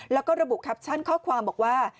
แล้วก็ระบุแคปชั่นข้อความบอกว่า